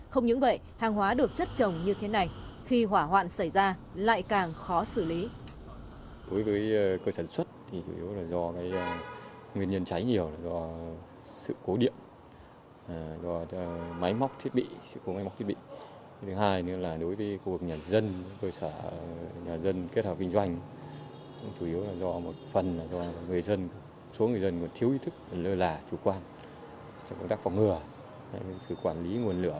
không những vậy hàng hóa được chất trồng như thế này khi hỏa hoạn xảy ra lại càng khó xử lý